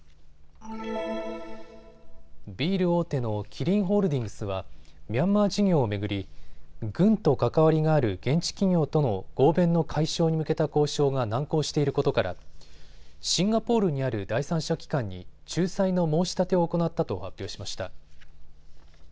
ビール大手のキリンホールディングスはミャンマー事業を巡り軍と関わりがある現地企業との合弁の解消に向けた交渉が難航していることからシンガポールにある第三者機関に仲裁の申し立てを行ったと発表しました。